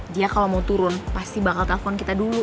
dia kalau mau turun pasti bakal telepon kita dulu